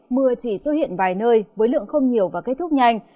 mưa chỉ xuất hiện vài nơi với lượng không nhiều và kết thúc nhanh